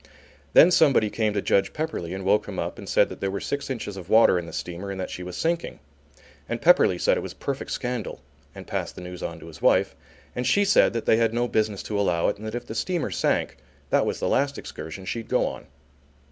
Then somebody came to Judge Pepperleigh and woke him up and said that there was six inches of water in the steamer and that she was sinking. And Pepperleigh said it was perfect scandal and passed the news on to his wife and she said that they had no business to allow it and that if the steamer sank that was the last excursion she'd go on.